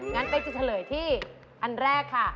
งั้นเป๊กจะเฉลยที่อันแรกค่ะ